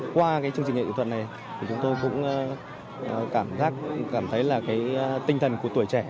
qua chương trình nghệ thuật này chúng tôi cũng cảm thấy tinh thần của tuổi trẻ